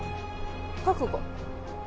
覚悟？